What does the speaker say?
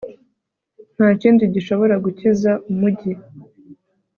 Nta kindi gishobora gukiza umujyi